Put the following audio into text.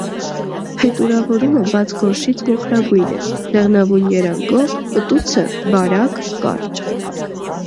Փետրավորումը բաց գորշից մոխրագույն է՝ դեղնավուն երանգով, կտուցը՝ բարակ, կարճ։